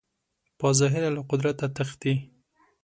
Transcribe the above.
په ظاهره له قدرته تښتي